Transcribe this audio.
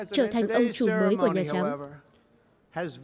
trở thành ông chủ mới của nước mỹ